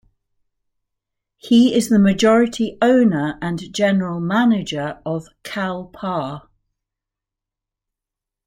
He is the majority owner and general manager of KalPa.